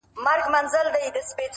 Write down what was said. د آتشي غرو د سکروټو د لاوا لوري،